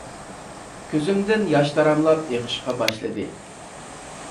كۆزۈمدىن ياش تاراملاپ ئېقىشقا باشلىدى.